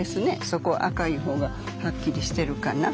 そこ赤い方がはっきりしてるかな。